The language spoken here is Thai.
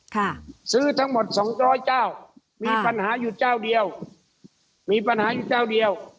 ค่ะซื้อทั้งหมดสองร้อยเจ้ามีปัญหาอยู่เจ้าเดียวมีปัญหาอยู่เจ้าเดียว